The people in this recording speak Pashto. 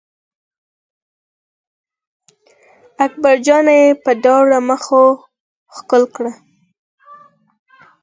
اکبر جان یې په دواړو مخونو ښکل کړ.